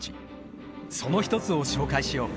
その一つを紹介しよう。